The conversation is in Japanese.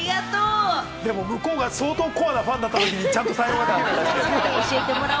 向こうが相当コアなファンだったときにちゃんと対応できるかが。